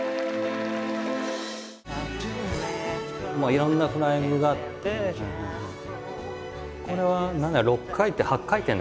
いろんなフライングがあってこれは６回転８回転だっけ？